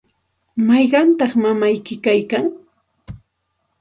¿mayqantaq mamayki kaykan?